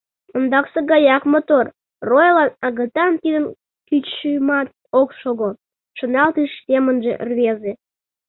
«Ондаксе гаяк мотор, ройлан агытан тидын кӱчшымат ок шого», — шоналтыш семынже рвезе.